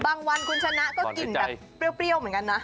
วันคุณชนะก็กลิ่นแบบเปรี้ยวเหมือนกันนะ